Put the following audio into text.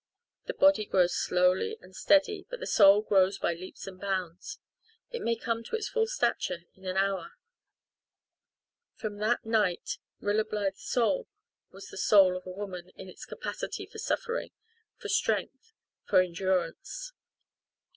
The body grows slowly and steadily, but the soul grows by leaps and bounds. It may come to its full stature in an hour. From that night Rilla Blythe's soul was the soul of a woman in its capacity for suffering, for strength, for endurance.